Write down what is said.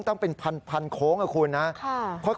ต้องเป็นพันโค้งนะคุณนะค่ะ